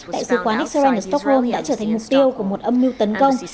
đại sứ quán israel ở stockholm đã trở thành mục tiêu của một âm mưu tấn công